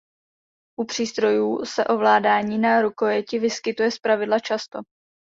U přístrojů se ovládání na rukojeti vyskytuje zpravidla často.